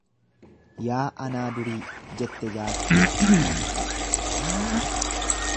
Yaa anaa durii jette jaartiin.